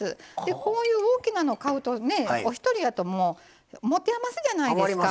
こういう大きなのを買うとお一人やともてあますじゃないですか。